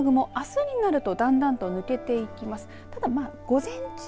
この雨雲あすになるとだんだんと抜けていきます。